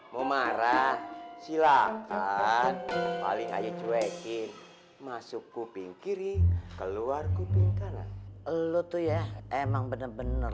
mau marah silahkan paling aja cuekin masuk kuping kiri keluar kuping kan lo tuh ya emang bener bener